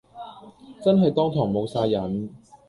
真係當堂無哂癮